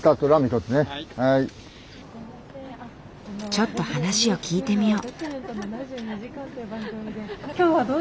ちょっと話を聞いてみよう。